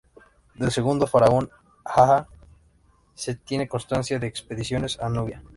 Del segundo faraón Aha se tiene constancia de expediciones a Nubia.